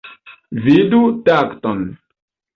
Vidu takton.